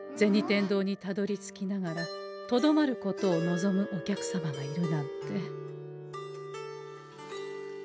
天堂にたどりつきながらとどまることを望むお客様がいるなんて。